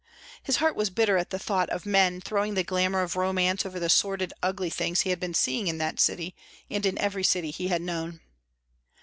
His heart was bitter at the thought of men throwing the glamour of romance over the sordid, ugly things he had been seeing in that city and in every city he had known.